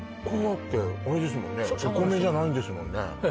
これだってあれですもんねお米じゃないんですもんね？